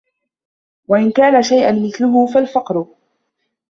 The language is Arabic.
وَإِنْ كَانَ شَيْءٌ مِثْلَهُ فَالْفَقْرُ